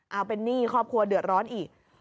เอาเป็นหนี้ครอบครัวเดือดร้อนอีก